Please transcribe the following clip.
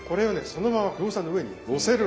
そのままギョーザの上にのせる。